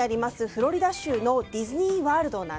フロリダ州のディズニーワールド。